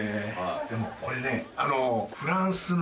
でもこれねあの。